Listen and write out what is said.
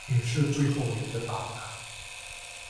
你是最后一个到的。